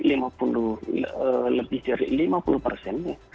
lebih dari lima puluh persen